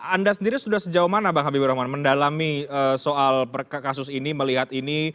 anda sendiri sudah sejauh mana bang habibur rahman mendalami soal kasus ini melihat ini